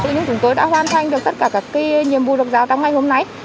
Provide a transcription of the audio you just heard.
nhưng chúng tôi đã hoàn thành được tất cả các nhiệm vụ độc giáo trong ngày hôm nay